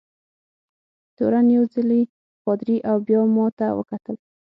تورن یو ځلي پادري او بیا ما ته وکتل.